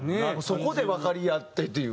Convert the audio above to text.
そこで分かり合ってっていう。